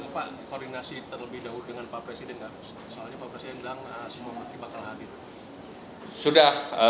pak koordinasi terlebih dahulu dengan pak presiden soalnya pak presiden bilang semua menteri bakal hadir sudah